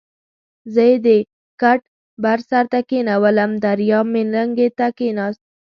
زه یې د کټ بر سر ته کېنولم، دریاب یې لنګې ته کېناست.